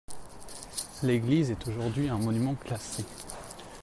L'église est aujourd'hui un monument classé.